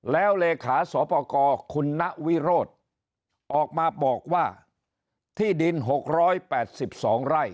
แล้วเหลขาสคุณนวิโรธออกมาบอกว่าที่ดินหกร้อยแปดสิบสองไร่